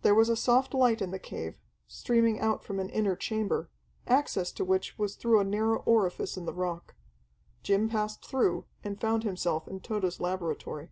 There was a soft light in the cave, streaming out from an inner chamber, access to which was through a narrow orifice in the rock. Jim passed through, and found himself in Tode's laboratory.